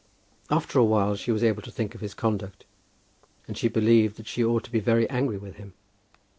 After a while she was able to think of his conduct, and she believed that she ought to be very angry with him.